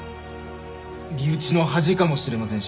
身内の恥かもしれませんし。